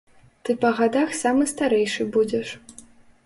Ты па гадах самы старэйшы будзеш.